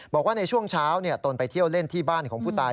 บอกว่าในช่วงเช้าตนไปเที่ยวเล่นที่บ้านของผู้ตาย